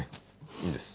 いいんです。